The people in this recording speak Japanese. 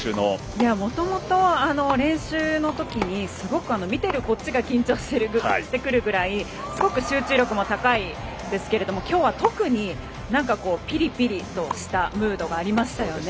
もともと、練習の時に見ているこっちが緊張してくるくらいすごく集中力も高いですが今日は、特にピリピリとしたムードがありましたよね。